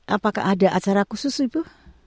apakah ada acara khusus ibu